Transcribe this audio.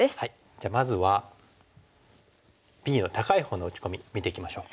じゃあまずはＢの高いほうの打ち込み見ていきましょう。